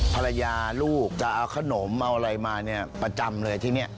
ลูกจะเอาขนมเอาอะไรมาเนี่ยประจำเลยที่นี่